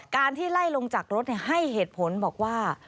การที่ไล่ลงจากรถให้เหตุผลบอกว่า